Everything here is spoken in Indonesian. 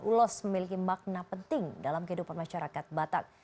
ulos memiliki makna penting dalam kehidupan masyarakat batak